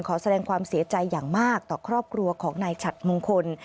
ขอแสดงความเสียใจอย่างมากต่อครอบครัวของนายฉัดมงคล